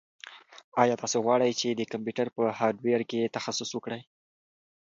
ایا تاسو غواړئ چې د کمپیوټر په هارډویر کې تخصص وکړئ؟